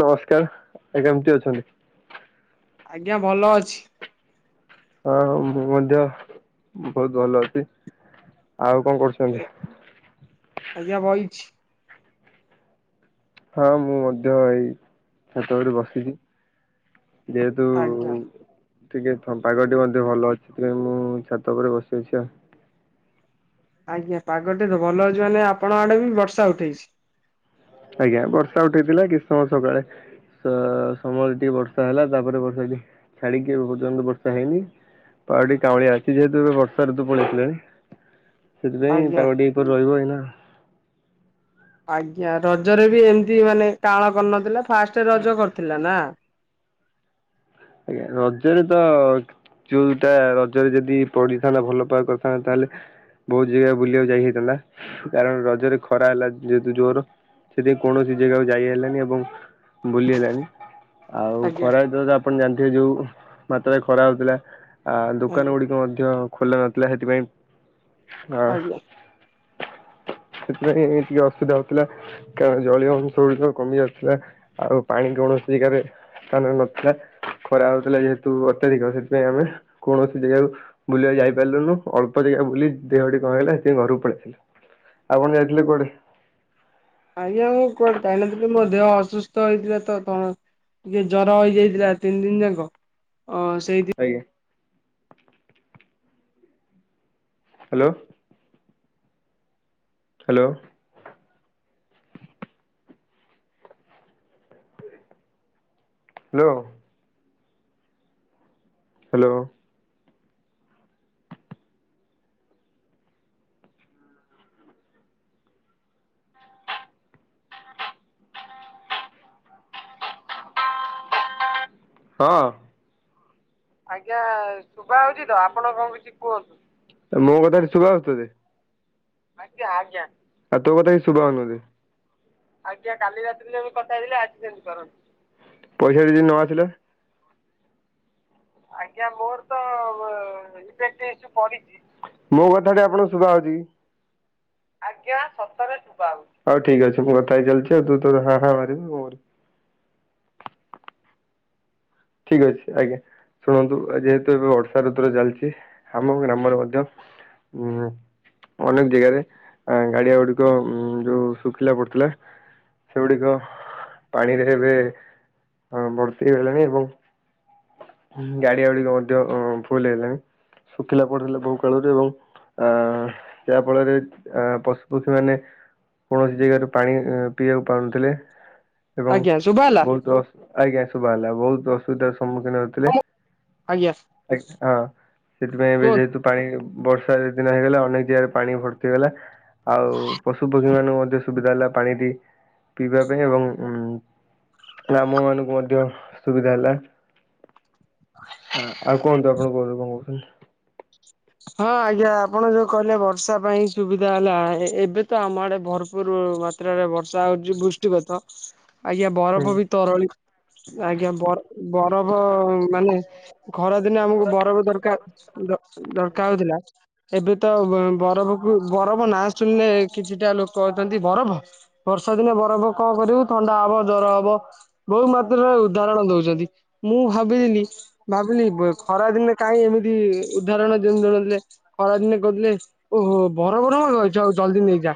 ନମସ୍କାର ଆଉ କେମିତି ଅଛନ୍ତି? ଆଜ୍ଞା ଭଲ ଅଛି। ହଁ ମୁଁ ମଧ୍ୟ ବହୁତ ଭଲ ଅଛି। ଆଉ କଣ କରୁଛନ୍ତି? ଆଜ୍ଞା ବଇଛି ହଁ ମୁଁ ମଧ୍ୟ ଏଇ ଛାତ ଉପରେ ବସିଛି। ଯେହେତୁ। ଆଜ୍ଞା। ଟିକେ ଥ ପାଗଟି ମଧ୍ୟ ଭଲ ଅଛି ସେଥିପାଇଁ ମୁଁ ଛାତ ଉପରେ ବସିଛି ଆ। ଆଜ୍ଞା ପାଗ ଟେ ତ ଭଲ ଅଛି ମାନେ ଆପଣଙ୍କ ଆଡେ ବି ବର୍ଷା ଉଠେଇଛି। ଆଜ୍ଞା ବର୍ଷା ଉଠେଇଥିଲା କିଛି ସମୟ ସକାଳେ। ସ ସମୟରେ ଟିକେ ବର୍ଷା ହେଲା ତାପରେ ବର୍ଷା ଟି ଛାଡିକି ଏବେ ପର୍ଯ୍ୟନ୍ତ ବର୍ଷା ହେଇନି। ପାଗ ଟି କାଉଁଳିଆ ଅଛି ଯେହେତୁ ଏବେ ବର୍ଷା ଋତୁ ପଳେଇ ଆସିଲାଣି। ସେଥିପାଇଁ ଆଜ୍ଞା। ପାଗ ଟି ଏହିପରି ରହିବ ଏଇନା। ଆଜ୍ଞା ରଜରେ ବି ଏମିତି ମାନେ କାଉଁଳା କରିନଥିଲା ଫାର୍ଷ୍ଟ ରଜ କରିଥିଲା ନା। ଆଜ୍ଞା ରଜରେ ତ। ଯୋଉଟା ରଜରେ ଯଦି ପଡିିଥାନ୍ତା ଭଲ ପାଗ କରିଥାନ୍ତା ତାହେଲେ। ବହୁତ ଜାଗା ବୁଲିବାକୁ ଯାଇ ହେଇଥାନ୍ତା କାରଣ ରଜରେ ଖରା ହେଲା ଯେହେତୁ ଜୋର। ସେଥିପାଇଁ କୌଣସି ଜାଗାକୁ ଯାଇ ହେଲାନି ଏବଂ ବୁଲି ହେଲାନି। ଆଉ ଆଜ୍ଞା ଖରା ହେଇଥିଲା ତ ଆପଣ ଜାଣିଥିବେ ଯୋଉ ମାତ୍ରାରେ ଖରା ହଉଥିଲା। ଆ ଦୋକାନ ଆଜ୍ଞା ଗୁଡିକ ମଧ୍ୟ ଖୋଲା ନଥିଲା ସେଥିପାଇଁ। ଆ ଆଜ୍ଞା। ସେଥିପାଇଁ ଟିକେ ଅସୁବିଧା ହଉଥିଲା କାରଣ ଜଳୀୟ ଅଂଶ ଗୁଡିକ କମି ଯାଉଥିଲା ଆଉ ପାଣି କୌଣସି ଜାଗାରେ ସ୍ଥାନ ନଥିଲା। ଖରା ହଉଥିଲା ଯେହେତୁ ଅତ୍ୟଧିକ ସେଥିପାଇଁ ଆମେ କୌଣସି ଜାଗାକୁ ବୁଲିବାକୁ ଯାଇପାରିଲୁନୁ ଅଳ୍ପ ଜାଗା ବୁଲି ଦେହ ଟି କଣ ହେଇଗଲା ସେଥିପାଇଁ ଘରକୁ ପଳେଇ ଆସିଲୁ। ଆପଣ ଯାଇଥିଲେ କୁଆଡେ? ଆଜ୍ଞା ମୁଁ କୁଆଡେ ଯାଇନଥିଲି ମୋ ଦେହ ଅସୁସ୍ଥ ହେଇଥିଲା ତ କଣ। ଟିକେ ଜର ହେଇଯାଇଥିଲା ତିନି ଦିନ ଯାକ ଅ ସେଇଥି ଆଜ୍ଞା ହାଲୋ। ହାଲୋ। ହାଲୋ। ହାଲୋ। ଆଜ୍ଞା ଶୁଭା ହଉଛି ତ ଆପଣ କଣ କିଛି କୁହନ୍ତୁ? ମୋ କଥା ଟି ଶୁଭା ହଉଚି ତତେ? ଆଉ ତୋ କଥା କିଛି ଶୁଭା ହଉନି ମତେ। ପଇସା ଯଦି ନ ଆସିଲା। ମୋ କଥା ଟି ଆପଣଙ୍କୁ ଶୁଭା ହଉଚି କି? [inaudible] ଆ ହଉ ଠିକ ଅଛି ମୁଁ କଥା ହେଇ ଚାଲିଛି ତୁ ତୋର ହା ହା ମାରିବୁ ଆଉ କଣ? [inaudible] ଠିକ ଅଛି ଆଜ୍ଞା। ଶୁଣନ୍ତୁ ଯେହେତୁ ଏବେ ବର୍ଷା ଋତୁର ଚାଲିଛି ଆମ ଗ୍ରାମରେ ମଧ୍ୟ ହୁଁ। ଅନେକ ଜେଗାରେ ଗାଡିଆ ଗୁଡିକ ଉ ଯୋଉ ଶୁଖିଲା ପଡୁଥିଲା। ସେଗୁଡିକ ପାଣିରେ ଏବେ ଭର୍ତ୍ତି ହେଲାଣି ଏବଂ [inaudible] ଗାଡିଆ ଗୁଡିକ ମଧ୍ୟ ଫୁଲ ହେଲାଣି, ଶୁଖିଲା ପଡିଥିଲା ବହୁ କାଳରୁ ଏବଂ ଅ ଯାହା ଫଳରେ ଆ ପଶୁ ପକ୍ଷୀ ମାନେ କୌଣସି ଜାଗାରୁ ପାଣି ପିଇବାକୁ ପାଉନଥିଲେ। ଏବଂ ଆଜ୍ଞା ଶୁଭା ହେଲା ବହୁତ ଆଜ୍ଞା ଶୁଭା ହେଲା ବହୁତ ଅସୁବିଧାର ସମ୍ମୁଖୀନ ହଉଥିଲେ, ଆଜ୍ଞା ଆ ହଁ ସେଥିପାଇଁ ଏବେ କୁହ ଯେହେତୁ ପାଣି ବର୍ଷା ଦି ଦିନ ହେଇଗଲା, ଅନେକ ଜାଗାରେ ପାଣି ଭର୍ତ୍ତି ହେଇଗଲା। ଆଉ ପଶୁ ପକ୍ଷୀ ମାନଙ୍କୁ ମଧ୍ୟ ସୁବିଧା ହେଲା ପାଣିଟି ପିଇବା ପାଇଁ ଏବଂ ଉ ଆମ ମାନଙ୍କୁ ମଧ୍ୟ ସୁବିଧା ହେଲା। ଆ ଆଉ କୁହନ୍ତୁ? ଆପଣ କୁହନ୍ତୁ କଣ କହୁଛନ୍ତି? ହଁ ଆଜ୍ଞା ଆପଣ ଯୋଉ କହିଲେ ବର୍ଷା ପାଇଁ ସୁବିଧା ହେଲା, ଏବେ ତ ଆମ ଆଡେ ଭରପୁର ମାତ୍ରାରେ ବର୍ଷା ହଉଛି ବୃଷ୍ଟିପାତ। ଆଜ୍ଞା ହୁଁ। ବରଫ ବି ତରଳି ଆଜ୍ଞା ବରଫ ମାନେ ଖରାଦିନେ ଆମକୁ ବରଫ ଦରକାର। କାଉଥିଲା। ସେଠୁ ତ ବରଫକୁ, ବରଫ ନାଁ ଶୁଣିଲେ କିଛିଟା ଲୋକ ଅଛନ୍ତି ବରଫ ବର୍ଷା ଦିନେ ବରଫ କଣ କରିବୁ? ଥଣ୍ଡା ହବ, ଜର ହବ, ବହୁତ ମାତ୍ରାରେ ଉଦାହରଣ ଦଉଛନ୍ତି। ମୁଁ ଭାବିଥିଲି ଭାବିଲି ଖରା ଦିନରେ କାଇଁ ଏମିତି ଉଦାହରଣ [unintelligible] ଖରାଦିନେ କହୁଥିଲେ ଓହୋ ବର ବର ହଛ ଆଉ ଜଲଦି ନେଇଯା।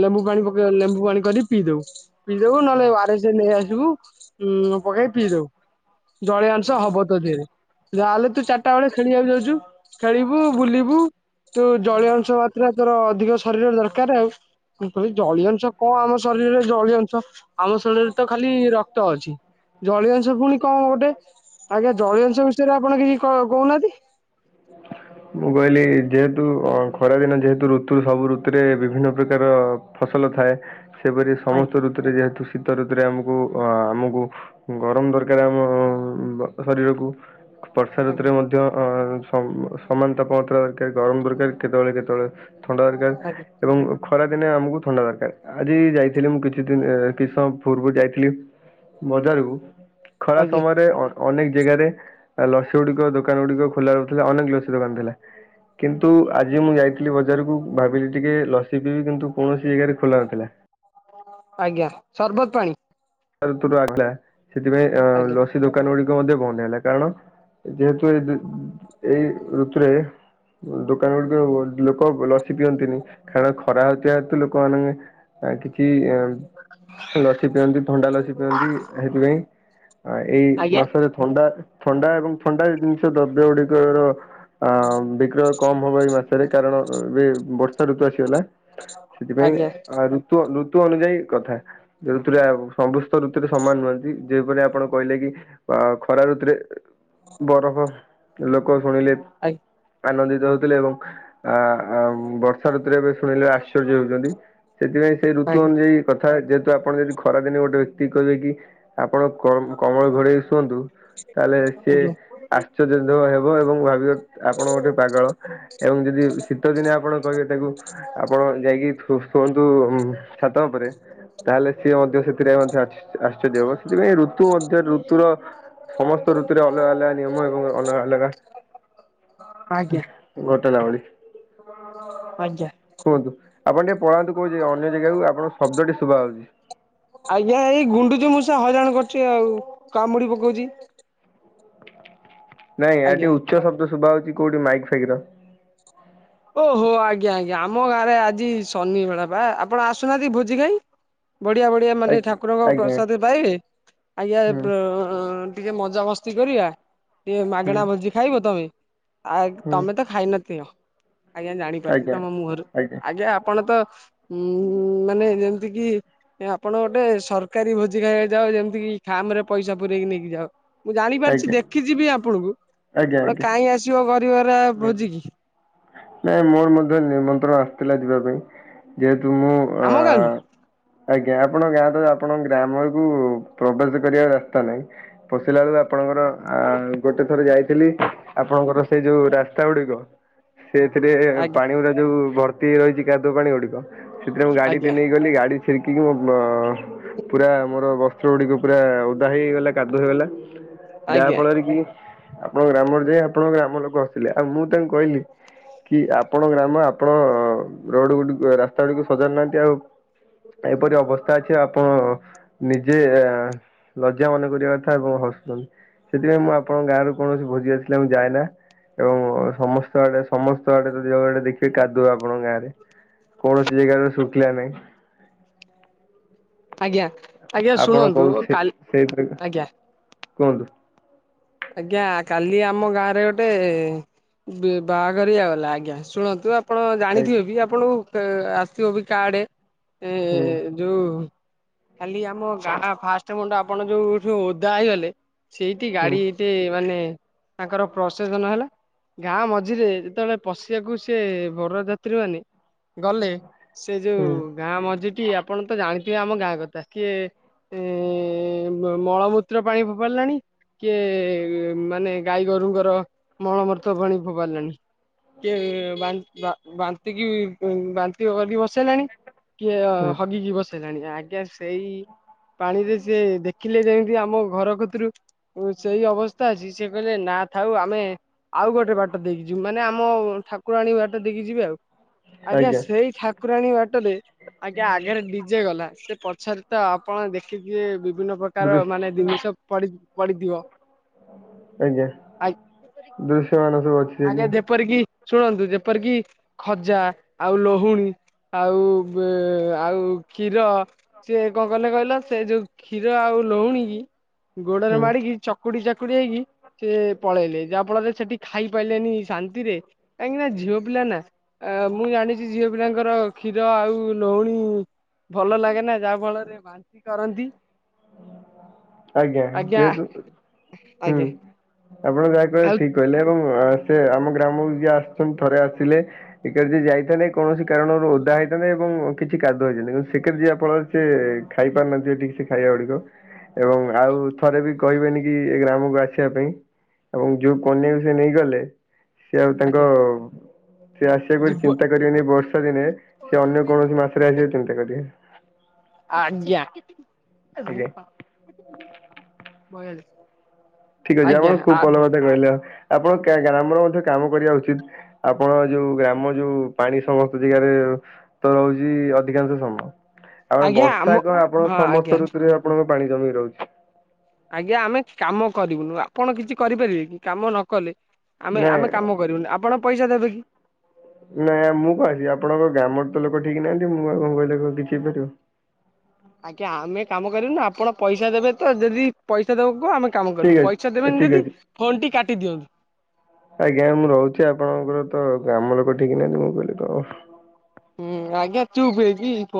ଲେମ୍ବୁ ପାଣି ପକେଇ, ଲେମ୍ବୁ ପାଣି କରି ପିଇ ଦବୁ, ପିଇଦବୁ ନହେଲେ ଓ ଆର ଏସ ନେଇ ଆସିବୁ। ପକେଇ ପିଇ ଦବୁ, ଜଳିଆଂଶ ହବ ତୋ ଦିହରେ, ଯାହେଲେ ତୁ ଚାରିଟା ବେଳେ ଖେଳିବାକୁ ଯାଉଛୁ। ଖେଳିବୁ ବୁଲିବୁ ତୁ ଜଳୀୟ ଅଂଶ ମାତ୍ରା ତୋର ଅଧିକ ଶରୀର ଦରକାର ଆଉ। କହିଲେ ଜଳୀୟ ଅଂଶ କଣ ଆମ ଶରୀରରେ ଜଳୀୟ ଅଂଶ ଆମ ଶରୀରରେ ତ ଖାଲି ରକ୍ତ ଅଛି। ଜଳୀୟ ଅଂଶ ପୁଣି କଣ ଗୋଟେ। ଆଜ୍ଞା ଜଳୀୟ ଅଂଶ ବିଷୟରେ ଆପଣ କିଛି କହୁନାହାନ୍ତି? ମୁଁ କହିଲି ଯେହେତୁ ଖରା ଦିନ ଯେହେତୁ ଋତୁ ସବୁ ଋତୁରେ ବିଭିନ୍ନ ପ୍ରକାର ଫସଲ ଭଲ ଥାଏ, ସେପରି ଆଜ୍ଞା ସମସ୍ତ ଋତୁରେ ଯେହେତୁ ଶୀତ ଋତୁରେ ଆମକୁ, ଆମକୁ ଗରମ ଦରକାର ଆମ ଶରୀରକୁ। ବର୍ଷା ଆଜ୍ଞା ଋତୁରେ ମଧ୍ୟ ଅ ସମାନ ତାପମାତ୍ରା ଦରକାର, ଗରମ ଦରକାର, କେତେବେଳେ କେତେବେଳେ। ଥଣ୍ଡା ଦରକାର ଆଜ୍ଞା ଏବଂ ଖରା ଦିନେ ଆମକୁ ଥଣ୍ଡା ଦରକାର। ଆଜି ଯାଇଥିଲି ମୁଁ କିଛି ଦିନ କିଛି ସମୟ ପୂର୍ବରୁ ଯାଇଥିଲି। ବଜାରକୁ ଖରା ଆଜ୍ଞା ସମୟରେ ଅନେକ ଜାଗାରେ ଲସି ଗୁଡିକ ଦୋକାନ ଗୁଡିକ ଖୋଲା ରହୁଥିଲା, ଅନେକ ଲସି ଦୋକାନ ଥିଲା କିନ୍ତୁ ଆଜି ମୁଁ ଯାଇଥିଲି ବଜାରକୁ ଭାବିଲି ଟିକେ ଲସି କିନ୍ତୁ କୌଣସି ଜେଗାରେ ଖୋଲା ନଥିଲା। ଆଜ୍ଞା ସରବତ ପାଣି ଋତୁ ଆ [unintelligible] ଲା ସେଥିପାଇଁ ଆଜ୍ଞା। ଲସି ଦୋକାନ ଗୁଡିକ ମଧ୍ୟ ବନ୍ଦ ହେଲା କାରଣ ଯେହେତୁ ଏ ଏଇ ଋତୁରେ ଦୋକାନ ଗୁଡିକ ଲୋକ ଲସି ପିଅନ୍ତିନି, କାରଣ ଖରା ହଉଥିବା ହେତୁ ଲୋକ ମାନେ ଆ କିଛି ଲସି ପିଅନ୍ତି, ଥଣ୍ଡା ଲସି ପିଅନ୍ତି ସେଥିପାଇଁ। ହ ଏଇ ଆଜ୍ଞା ମାସରେ ଥଣ୍ଡା ଥଣ୍ଡା ଏବଂ ଥଣ୍ଡା ଜିନିଷ ଦ୍ରବ୍ୟ ଗୁଡିକର ଅ ବିକ୍ରୟ କମ ହବ ଏଇ ମାସରେ କାରଣ ଏବେ ବର୍ଷା ଋତୁ ଆସିଗଲା। ସେଥିପାଇଁ ଆଜ୍ଞା ଆ ଋତୁ ଋ ଋତୁ ଅନୁଯାୟୀ କଥା ଋତୁରା ସମସ୍ତ ଋତୁରେ ସମାନ ନୁହନ୍ତି ଯେ ଆପଣ କହିଲେ କି ଅ ଖରା ଋତୁରେ ବରଫ ଲୋକ ଶୁଣିଲେ ଆନନ୍ଦିତ ହଉ। ଥିଲେ ଏବଂ ଆ ମ ବର୍ଷା ଋତୁରେ ଏବେ ଶୁଣିଲେ ଆଶ୍ଚର୍ଯ୍ୟ ହଉଛନ୍ତି ସେଥିପାଇଁ ସେଇ ଋତୁ ଆଜ୍ଞା ଅନୁଯାୟୀ କ ଥା ଯେହେତୁ ଆପଣ ଯଦି ଖରାଦିନେ ଗୋଟେ ବ୍ୟକ୍ତି କହିବେ କି ଆପଣ କ-କମଳ ଘଡେଇକି ଶୁଅନ୍ତୁ ତାହେଲେ ସିଏ ଆଜ୍ଞା ଆଶ୍ଚର୍ଯ୍ୟ [unintelligible] ଏବଂ ଭାବିବେ ଆପଣ ଗୋଟେ ପାଗଳ ଏବଂ ଯଦି ଶୀତ ଦିନେ ଆପଣ କହିବେ ତାକୁ ଆପଣ ଯାଇକି ଶୁ-ଶୁଅନ୍ତୁ ଉଁ ଛାତ ଉପରେ ତାହେଲେ ସିଏ ମଧ୍ୟ ସେ ମଧ୍ୟ ଅଛି ଆଶ୍ଚର୍ଯ୍ୟ ହେବ ସେଥିପାଇଁ ଋତୁ ମଧ୍ୟ ଋତୁର ସମସ୍ତ ଋତୁରେ ଅଲଗା ଅଲଗା ନିୟମ ଏବଂ ଅଲଗା ଅଲଗା ଗୋଟେ ଲାଉଳି। ହଁ କୁହନ୍ତୁ ଆପଣ ଟିକେ ପଳାନ୍ତୁ କୋଉ ଯେ ଅନ୍ୟ ଜାଗାକୁ ଆପଣଙ୍କ ଶବ୍ଦଟେ ଶୁଭା ହଉଛି। ଆଜ୍ଞା ଏଇ ଗୁଣ୍ଡୁଚି ମୂଷା ହଇରାଣ କରୁଛି ଆଉ କାମୁଡି ପକଉଛି। ନାଇଁ ଆ ଆଜ୍ଞା। ଟିକେ ଉଚ୍ଛା ଶବ୍ଦ ଶୁଭା ହଉଛି କୋଉଠି ମାଇକ୍ ଫାଇକର। ଓହୋ ଆଜ୍ଞା ଆଜ୍ଞା ଆମ ଗାଁରେ ଆଜି ଶନି ବେଳା ବା ଆପଣ ଆସୁନାହାନ୍ତି ଭୋଜି ଖାଇ। ବଢ଼ିଆ ବଢ଼ିଆ ମାନେ ଆଜ୍ଞା ଠାକୁରଙ୍କ ଆଜ୍ଞା ପ୍ରସାଦ ପାଇବେ ଆଜ୍ଞା ହୁଁ ପ୍ର ଟିକେ ମଜାମସ୍ତି କରିବା ଟିକେ ହୁଁ ମାଗଣା ଭୋଜି ଖାଇବ ତମେ। ଆ ହୁଁ ତମେ ତ ଖାଇନ ଥିଅ ଆଜ୍ଞା ଜାଣିପାରୁଚି ଆଜ୍ଞା ତମ ମୁହଁରୁ ଆଜ୍ଞା ଆପଣ ତ ହୁଁ ମାନେ ଯେ ଯେମତି କିି ଆପଣ ଗୋଟେ ସରକାରୀ ଭୋଜି ଖାଇବାକୁ ଯାଅ ଯେମିତି କିି ଖାର୍ମରେ ପଇସା ପୁରେଇକି ନେଇକି ଯାଅ। ମୁଁ ଜାଣି ପାରୁଛି ଆଜ୍ଞା ଦେଖି ଯିବି ଆପଣଙ୍କୁ। ଆଜ୍ଞା ଆପଣ ଆଜ୍ଞା କାଇଁ ଆସିବ ଗରିବାର ହୁଁ। ଭୋଝିକି? ନାଇଁ ମୋର ମଧ୍ୟ ନିମନ୍ତ୍ରଣ ଆସିଥିଲା ଯିବା ପାଇଁ ଯେହେତୁ ମୁଁ ଅ ଆମ ଗାଁକୁ ଆଜ୍ଞା ଆପଣ ଗାଁ ତ ଆପଣ ଗ୍ରାମକୁ ପ୍ରବେଶ କରିବା ରାସ୍ତା ନାହିଁ ପ ଥିଲାବେଳୁ ଆପଣଙ୍କର ଆ ଗୋଟେ ଥର ଯାଇଥିଲି ଆପଣଙ୍କର ସେଇ ଯୋଉ ରାସ୍ତା ଗୁଡିକ ସେଥିରେ ଆଜ୍ଞା ପାଣି ଗଡା ଯୋଉ ଭର୍ତ୍ତି ହେଇ ରହିଛି କାଦୁଅ ପାଣି ଗୁଡିକ। ସେଥିରେ ମୁଁ ଗାଡିଟେ ଆଜ୍ଞା ନେଇଗଲି ଗାଡି [unintelligible] ପୁରା ମୋର ବସ୍ତ୍ର ଗୁଡ଼ିକ ପୁରା ଓଦା ହେଇଗଲା କାଦୁଅ ହେଇଗଲା। ଯାହା ଆଜ୍ଞା ଫଳରେ କି? ଆପଣଙ୍କ ଗ୍ରାମରେ ଯାଇ ଆପଣଙ୍କ ଗ୍ରାମ ଲୋକ ହସିଲେ ଆଉ ମୁଁ ତାଙ୍କୁ କହିଲି କି ଆପଣ ଗ୍ରାମ ଆପଣ ରୋଡ ଗୁଡ଼ି ରାସ୍ତା ଗୁଡ଼ିକ ସଜାଡୁ ନାହାନ୍ତି ଆଉ ଏପରି ଅବସ୍ଥା ଅଛି ଆପଣ ନିଜେ ଗ୍ଲ ପୂଜା ମନେ କରିବା କଥା ଏବଂ ହସୁଛନ୍ତି ସେଥିପାଇଁ ମୁଁ ଆପଣଙ୍କ ଗାଁରୁ କୌଣସି ଭୋଜିଭାତ ଥିଲେ ମୁଁ ଯାଏନା। ଏବଂ ସମସ୍ତ ଆଡେ ସମସ୍ତ ଆଡେ ତ ଯଉ ଆଡେ ଦେଖିବେ କାଦୁଆ ଆପଣଙ୍କ ଗାଁରେ। କୌଣସି ଜାଗାରେ ଶୁଖିଲା ନାହିଁ। ଆଜ୍ଞା। ଆଜ୍ଞା ଆପଣ ଶୁଣନ୍ତୁ କହୁଛି କାଲି ସେଇ ଆଜ୍ଞା। କୁହନ୍ତୁ ଆଜ୍ଞା କାଲି ଆମ ଗାଁରେ ଗୋଟେ ବେ ବାହାଘରିଆ ଗଲା ଆଜ୍ଞା ଶୁଣନ୍ତୁ ଆ ଆପଣ ଆଜ୍ଞା ଜାଣିଥିବେ ବି ଆପଣଙ୍କୁ ଆସିଥିବ ବି କାର୍ଡ଼ ଏ ହୁଁ ଯୋଉ ଖାଲି ଆମ ଗାଁ ଫାଷ୍ଟ ମୁଣ୍ଡ ଆପଣ ଯୋଉଠୁ ଓଦା ହେଇଗଲେ ସେଇଠି ହୁଁ ଗାଡି ମାନେ ତାଙ୍କର ପ୍ରସେସନ ହେଲା। ଗାଁ ମଝିରେ ଯେତେବେଳେ ପଶିବାକୁ ସେ ବରଯାତ୍ରୀ ମାନେ ଗଲେ ସେ ଯୋଉ ହୁଁ ଗାଁ ମଝିଟି ଆପଣ ତ ଜାଣି କିଏ ଆମ ଗାଁ କଥା କିଏ ଏଁ ମଳମୂତ୍ର ପାଣି ଫୋପାଡ଼ିଲାଣି କିଏ ମାନେ ଗାଈ ଗୋରୁଙ୍କର ମଳମର୍ତ ଭଣୀ ଭବାନାନୀ ଇଏ ବାନ୍ ବା ବାନ୍ତିକି ବାନ୍ତି କରିକି ବସେଇଲାଣି କିଏ ହୁଁ ହଗିକି ଭସେ ଦେଲେଣି ଆଜ୍ଞା ସେଇ ପାଣିରେ ସେ ଦେଖିଲେ ଯେମିତି ଆମ ଘର କତୁରୁ ହ ସେଇ ଅବସ୍ ସେ କହିଲେ ନା ଥାଉ ଆମେ ଆଉ ଗୋଟେ ବାଟ ଦେଇକି ଯିବୁ ମାନେ ଆମ ଠା ଠାକୁରାଣୀ ବାଟ ଦେଇକି ଯିବେ ଆଉ ଆଜ୍ଞା ସେଇ ଠାକୁରାଣୀ ବାଟ ଟରେ ଆଜ୍ଞା ଆଗରେ ଡିଜେ ଗଲା ସେ ପଛରେ ତ ଆପଣ ଦେଖିଥିବେ ବି ବିଭିନ୍ନ ପ୍ରକାର ଦୃଶ ମାନେ ଜିନିଷ ପଡି ପଡିଥିବ। ଆଜ୍ଞା। ଆ ଦୃଶ୍ୟମାନ ସବୁ ଅଛି ଆଜ୍ଞା ଯେପରି କି ଶୁଣନ୍ତୁ ଯେପର କିି ଖଜା ଆଉ ଲହୁଣୀ। ଆଉ ଆଉ କ୍ଷୀର ସେ କଣ କଲେ କହିଲ ସେ ଯୋଉ କ୍ଷୀର ଆଉ ଲୋଉଣିକି ଗୋଡରେ ହୁଁ ମାଡିକି ଚକୁଡି ଚାକୁ ଖୁଡି ହେଇକି ସେ ପଳେଇଲେ ଯାହା ଫଳରେ ସେଠି ଖାଇ ପାଇଲେନି ଶାନ୍ତିରେ କାହିଁକି ନା ଝିଅ ପିଲା ନା ନା ମୁଁ ଜାଣିଚି ଝିଅ ପିଲାଙ୍କର କ୍ଷୀର ଆଉ ଲଉଣୀ ଭଲ ଲାଗେ ନା ଯାହା ଫଳରେ ବାନ୍ତି କରନ୍ତି। ଆଜ୍ଞା ଯେହେତୁ ହୁଁ ଆଜ୍ଞା ଆପଣ ଯାହା କହିଲେ ଆଉ ଠିକ କହିଲେ ଏବଂ ହୁଁ ଆ ସେ ଆମ ଗ୍ରାମକୁ ଯିଏ ଆସିଚନ୍ତି ଥରେ ଆସିଲେ [unintelligible] କୌଣସି କାରଣରୁ ଓଦା ବାଇଦବେ ଏବଂ କିଛି କାଦୁଅ [unintelligible] କିନ୍ତୁ ସେକେରେ ଯିବା ଫଳରେ ସେ ଖାଇ ପାରୁନାହାନ୍ତିିବା ଠିକ୍ ସେ ଖାଇବା ଗୁଡିକ। ଏବଂ ଆଉ ଥରେ ବି କହିବେନି କି ଏ ଗ୍ରାମକୁ ଆସିବା ପାଇଁ ଏବଂ ଯୋଉ କନ୍ୟାକୁ ସେ ନେଇଗଲେ ସେଏ ଆଉ ତାଙ୍କ ଆଜ୍ଞା ସେ ଆସିବାକୁ ଜୀବ ଚିନ୍ତା କରିବନି ବର୍ଷା ଦିନେ ସେ ଅନ୍ୟ କୌଣସି ମାସରେ ଆସିଯାଉଚନ୍ତି। କରିବା। ଆଜ୍ଞା। ଆଜ୍ଞା। ଠିକ ଅଛି ଆଜ୍ଞା ଆପଣ ଖୁବ୍ ଆ ଭଲ କଥା କହିଲେ ଆଉ। ଆପଣ କା ଗ୍ରାମର ମଧ୍ୟ କାମ କରିବା ଉଚିତ ଆପଣ ଯୋଉ ଗ୍ରାମ ଯୋଉ ପାଣି ସମସ୍ତ ଯେଗାରେ ତ ତ ହଉଚି ଅଧିକାଂଶ ସମୟ। ଆପଣ ଆଜ୍ଞା ଆମ ବର୍ଷା କଣ ହଁ ଆପଣଙ୍କ ଆଜ୍ଞା ସମସ୍ତ ଋତୁରେ ଆପଣଙ୍କ ପାଣି ଜମିକି ରହୁଛି। ଆଜ୍ଞା ଆମେ କାମ କରିବୁନୁ ଆପଣ କିଛି କରିପାରିବେ କି କାମ ନ କଲେ ଆମେ ନାଇଁ ଆମେ କାମ କରିବୁନି ଆପଣ ପଇସା ଦେବେ କି? ନାଇଁ ମୁଁ କହିଲି ଆପଣଙ୍କ ଗ୍ରାମର ତ ଲୋକ ଠିକ ନାହାନ୍ତି ମୁଁ ଆଉଣ କହିଲ କିଛି ହେଇପାରିବ। ଆଜ୍ଞା ଆମେ କାମ କରିବୁନୁ ଆପଣ ପଇସା ଦେବେ ତ ଯଦି ପଇସା ଦବ କୁହ ଆମେ କାମ କରିବୁ ଠିକ ପଇସା ଅଛି ଦେବେନି ଠିକ ଯଦି ଅଛି ଫୋନ ଟି କାଟି ଦିଅନ୍ତୁ ଆଜ୍ଞା ମୁଁ ରହୁଚି ଆପଣଙ୍କର ତ ଗ୍ରାମ ଲୋକ ଠିକି ନାହାନ୍ତି ମୁଁ କହିଲି ଙ୍କ ହୁଁ ଆଜ୍ଞା ଚୁପ ହେଇଯିବି।